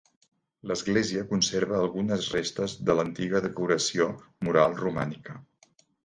L'església conserva algunes restes de l'antiga decoració mural romànica.